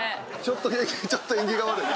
ちょっと縁起が悪い。